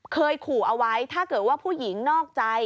เคยขู่เอาไว้ถ้าเกิดว่าผู้หญิงนอกใจ